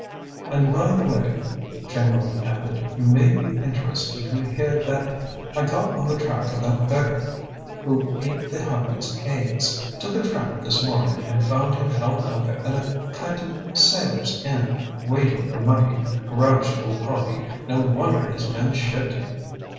"And, by the way," Chamberlain added; "you may be interested to hear that accidentally I got on the track of that beggar who ate the hermit's eggs. Took a tramp this morning, and found him held up at a kind of sailor's inn, waiting for money. Grouchy old party; no wonder his men shipped him."